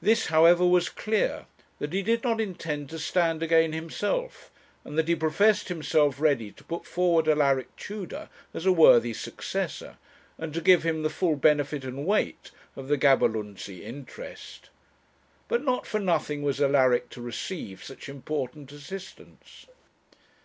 This, however, was clear, that he did not intend to stand again himself, and that he professed himself ready to put forward Alaric Tudor as a worthy successor, and to give him the full benefit and weight of the Gaberlunzie interest. But not for nothing was Alaric to receive such important assistance.